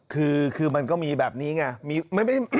คือมันก็มีแบบนี้ไง